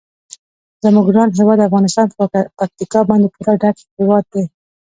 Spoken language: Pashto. زموږ ګران هیواد افغانستان په پکتیکا باندې پوره ډک هیواد دی.